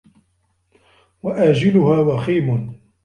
وَآجِلَهَا وَخِيمٌ